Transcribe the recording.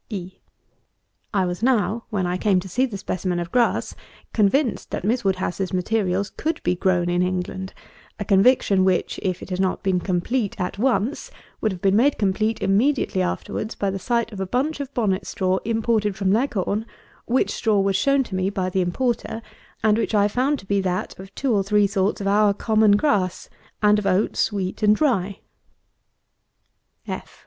E. I was now, when I came to see the specimen of grass, convinced that Miss WOODHOUSE'S materials could be grown in England; a conviction which, if it had not been complete at once, would have been made complete immediately afterwards by the sight of a bunch of bonnet straw imported from Leghorn, which straw was shown to me by the importer, and which I found to be that of two or three sorts of our common grass, and of oats, wheat, and rye. F.